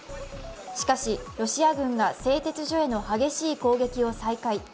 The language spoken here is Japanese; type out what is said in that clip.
しかし、ロシア軍が製鉄所への激しい攻撃を再開。